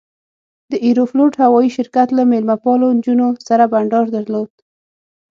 د ایروفلوټ هوایي شرکت له میلمه پالو نجونو سره بنډار درلود.